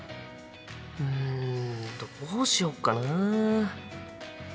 うんどうしよっかな？